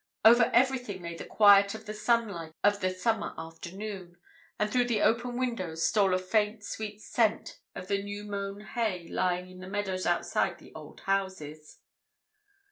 Over everything lay the quiet of the sunlight of the summer afternoon, and through the open windows stole a faint, sweet scent of the new mown hay lying in the meadows outside the old houses.